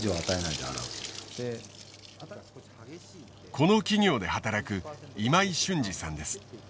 この企業で働く今井俊次さんです。